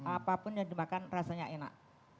apapun yang dimakan rasanya enak